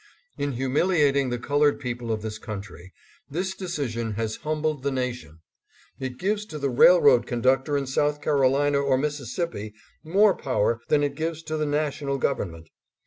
In humiliating the colored people of this country, this decision has humbled the nation. It gives to the railroad conductor in South Carolina or Mississippi more power than it gives to the National Government.